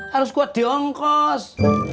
harus kuat di ongkos